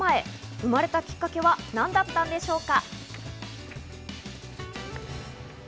生まれたきっかけは何だったんでしょうか。